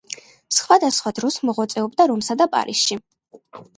სხვადასხვა დროს მოღვაწეობდა რომსა და პარიზში.